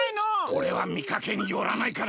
おれはみかけによらないからな。